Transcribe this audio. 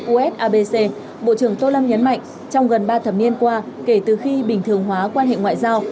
u s a b c bộ trưởng tô lâm nhấn mạnh trong gần ba thập niên qua kể từ khi bình thường hóa quan hệ ngoại giao